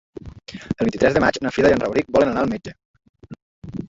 El vint-i-tres de maig na Frida i en Rauric volen anar al metge.